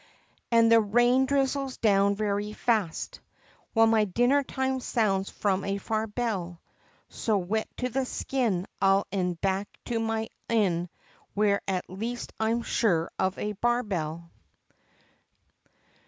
And the rain drizzles down very fast, While my dinner time sounds from a far bell So, wet to the skin, I'll e'en back to my inn, Where at least I am sure of a Bar bell!